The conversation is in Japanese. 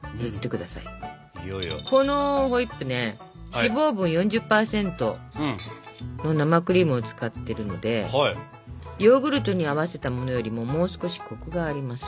このホイップね脂肪分４０％の生クリームを使ってるのでヨーグルトに合わせたものよりももう少しコクがあります。